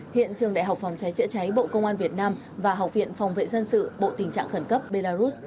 hiện trường đại học phòng cháy chữa cháy bộ công an việt nam và học viện phòng vệ dân sự bộ tình trạng khẩn cấp belarus